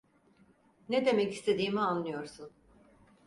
Ne demek istediğimi anlıyorsun.